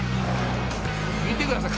「見てください。